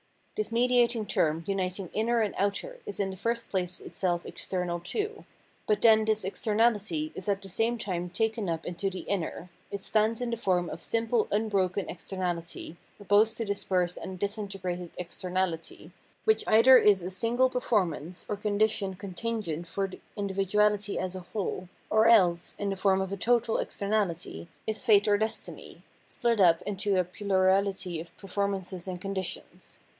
This mediating term uniting inner and outer is in the first place itseK external too. But then this exter nahty is at the same time taken up into the inner ; it stands in the form of simple unbroken externaUty op posed to dispersed and disintegrated externality, which either is a single performance or condition contingent for the individuality as a whole, or else, in the form of a total externality, is fate or destiny, split up into a plurality of performances and conditions.